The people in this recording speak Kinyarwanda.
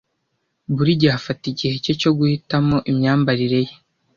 Buri gihe afata igihe cye cyo guhitamo imyambarire ye.